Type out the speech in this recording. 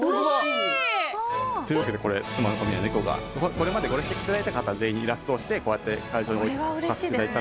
可愛い！というわけでこれ妻の古宮寝子がこれまでご列席いただいた方全員イラストにしてこうやって会場に参加していただいたんですけども。